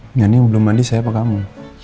engga nih belum mandi saya apa kamu